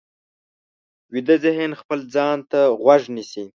ویده ذهن خپل ځان ته غوږ نیسي